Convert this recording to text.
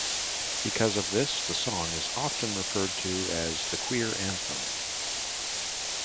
Because of this, the song is often referred to as the Queer Anthem.